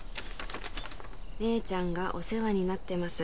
「姉ちゃんがお世話になってます」